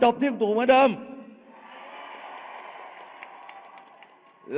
เอาข้างหลังลงซ้าย